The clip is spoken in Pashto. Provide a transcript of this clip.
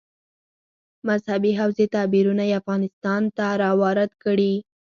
مذهبي حوزې تعبیرونه یې افغانستان ته راوارد کړي.